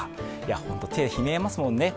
本当に手、冷えますもんね。